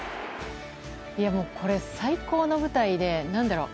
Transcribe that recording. これ最高の舞台で何だろう。